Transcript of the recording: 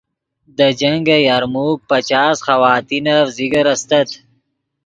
دے جنگ یرموک پچاس خواتینف ذکر استت